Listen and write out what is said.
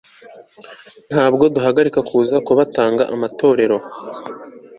Ntabwo duhagarika kuza kubatanga amatorero